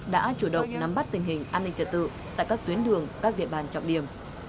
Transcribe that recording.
đã chủ động nắm bắt tình hình an ninh trật tự tại các tuyến đường các địa bàn trọng điểm